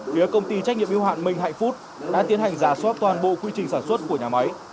phía công ty trách nhiệm yêu hạn minh hạnh phúc đã tiến hành giả soát toàn bộ quy trình sản xuất của nhà máy